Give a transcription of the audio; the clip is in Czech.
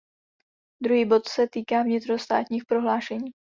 Druhý bod se týká vnitrostátních prohlášení.